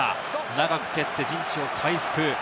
長く蹴って、陣地を回復。